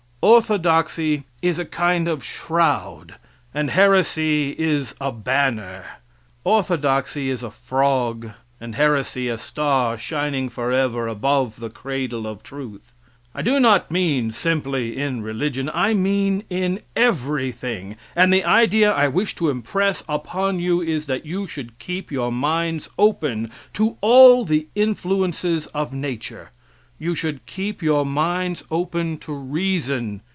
Orthodoxy is a kind of shroud, and heresy is a banner orthodoxy is a frog and heresy a star shining forever above the cradle of truth. I do not mean simply in religion, I mean in everything, and the idea I wish to impress upon you is that you should keep your minds open to all the influences of nature; you should keep your minds open to reason.